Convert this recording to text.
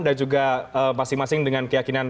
dan juga masing masing dengan keyakinan